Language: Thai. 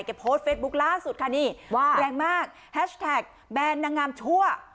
โพสต์เฟซบุ๊คล่าสุดค่ะนี่ว่าแรงมากแฮชแท็กแบนนางงามชั่ว